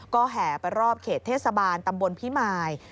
ก็แห่ไปรอบเขตเทศบาลตำบลพิมาย